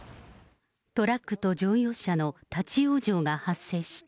トラックと乗用車の立往生が発生した。